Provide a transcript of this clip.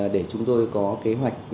để chúng tôi có kế hoạch